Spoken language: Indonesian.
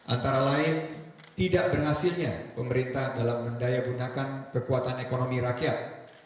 antara lain tidak berhasilnya pemerintah dalam mendayagunakan kekuatan ekonomi rakyat